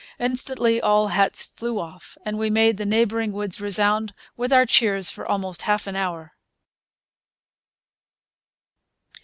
Instantly all hats flew off, and we made the neighbouring woods resound with our cheers for almost half an hour.